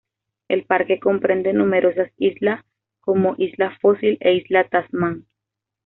El parque comprende numerosas islas, como isla Fósil e isla Tasman.